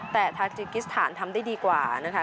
แต่ทาจิกิสถานทำได้ดีกว่านะคะ